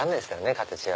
形は。